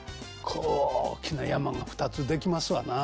大きな山が２つできますわなあ。